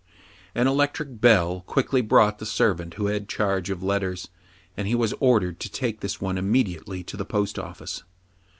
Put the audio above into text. An electric bell quickly brought the servant who had charge of letters, and he was ordered to take this one immediately to the post office.